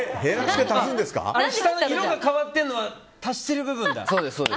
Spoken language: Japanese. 下の色が変わってるのは足してる部分だ。